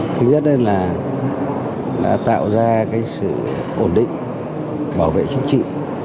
thứ nhất là đã tạo ra cái sự ổn định bảo vệ chính trị